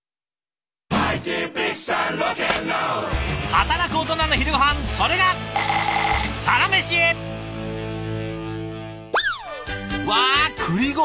働くオトナの昼ごはんそれがうわくりごはん！